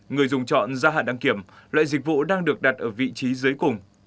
người dùng chọn gia hạn đăng kiểm loại dịch vụ đang được đặt ở vị trí dưới cùng